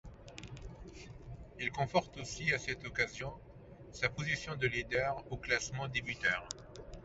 Il conforte aussi à cette occasion sa position de leader au classement des buteurs.